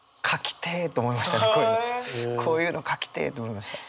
こういうの書きてえと思いました。